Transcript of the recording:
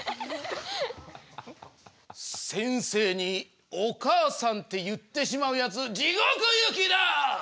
先生に「お母さん」って言ってしまうやつじごく行きだ！